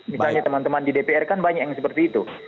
misalnya teman teman di dpr kan banyak yang seperti itu